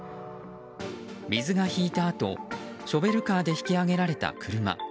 水が引いたあとショベルカーで引き揚げられた車。